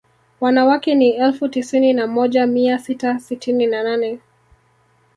Wanawake ni elfu tisini na moja mia sita sitini na nane